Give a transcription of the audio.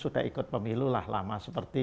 sudah ikut pemilu lah lama seperti